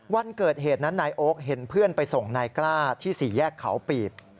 วันเกิดเหตุนั้นนายโอ๊คเห็นเพื่อนไปส่งนายกล้าที่สี่แยกเขาปีบ